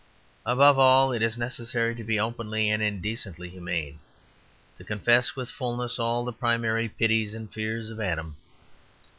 Above all, it is necessary to be openly and indecently humane, to confess with fulness all the primary pities and fears of Adam.